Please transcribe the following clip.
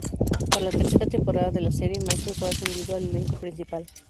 Para la tercera temporada de la serie, Michael fue ascendido al elenco principal.